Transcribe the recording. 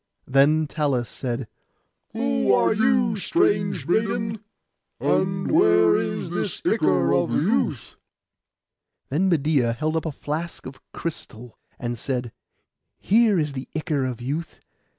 Then Talus said, 'Who are you, strange maiden, and where is this ichor of youth?' Then Medeia held up a flask of crystal, and said, 'Here is the ichor of youth.